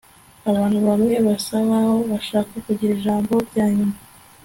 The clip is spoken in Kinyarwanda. abantu bamwe basa nkaho bashaka kugira ijambo ryanyuma